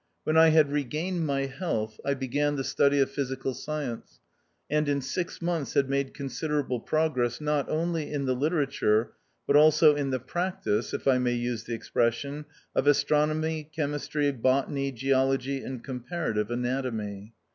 When I had regained my health, I began the study of physical science ; and in six months had made considerable pro gress, not only in the literature, but also in the practice, if I may use the expression, of astronomy, chemistry, botany, geology, and comparative anatomy.